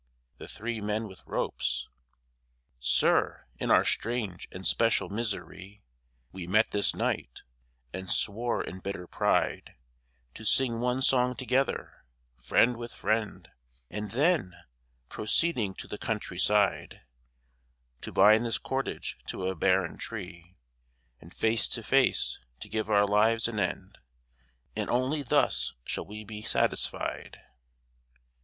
THE THREE MEN WITH ROPES Sir, in our strange and special misery We met this night, and swore in bitter pride To sing one song together, friend with friend, And then, proceeding to the country side, To bind this cordage to a barren tree, And face to face to give our lives an end, And only thus shall we be satisfied.